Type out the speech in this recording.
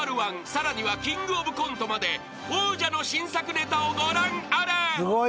［さらにはキングオブコントまで王者の新作ネタをご覧あれ］